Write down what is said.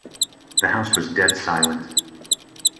The house was dead silent.